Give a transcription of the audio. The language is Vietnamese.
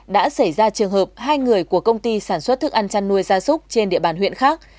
đã xảy ra trường hợp hai người của công ty sản xuất thức ăn chăn nuôi gia súc trên địa bàn huyện khác